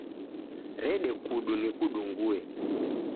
Rede kudu nikudungue